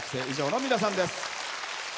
以上の皆さんです。